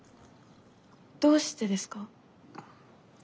どうしてですか？